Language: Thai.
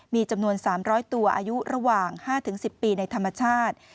มีจำนวน๓๐๐ตัวอายุระหว่าง๕๑๐ปีในธรรมชาติ